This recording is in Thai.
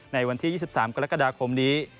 ในวันที่๒๓กรกฎาคมนี้